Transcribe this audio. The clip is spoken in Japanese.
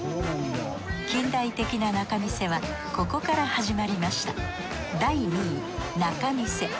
近代的な仲見世はここから始まりました